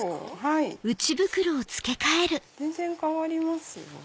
全然変わりますよ。